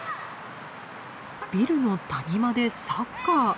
ビルの谷間でサッカー。